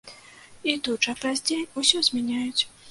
І тут жа, праз дзень, усё змяняюць.